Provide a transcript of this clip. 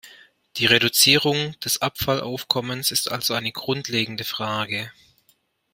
Die Reduzierung des Abfallaufkommens ist also eine grundlegende Frage.